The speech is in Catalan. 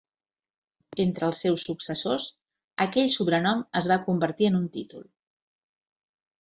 Entre els seus successors, aquell sobrenom es va convertir en un títol.